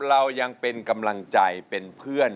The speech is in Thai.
เรายังเป็นกำลังใจเป็นเพื่อน